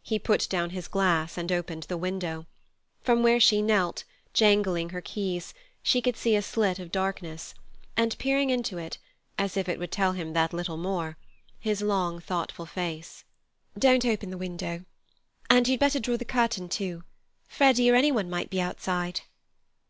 He put down his glass and opened the window. From where she knelt, jangling her keys, she could see a slit of darkness, and, peering into it, as if it would tell him that "little more," his long, thoughtful face. "Don't open the window; and you'd better draw the curtain, too; Freddy or any one might be outside."